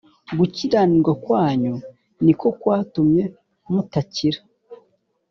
Gukiranirwa kwanyu niko kwatumye mutakira